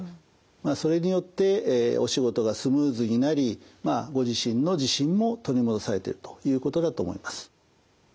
まあそれによってお仕事がスムーズになりまあご自身の自信も取り戻されてるということだと思います。